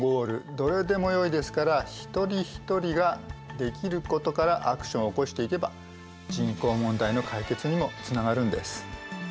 どれでもよいですから一人ひとりができることからアクションを起こしていけば人口問題の解決にもつながるんです。